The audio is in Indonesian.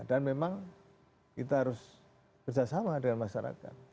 dan memang kita harus bekerjasama dengan masyarakat